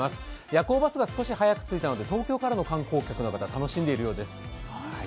夜行バスが少し早く着いたので東京からの観光客などが楽しんでいるようです。